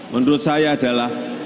menurut saya adalah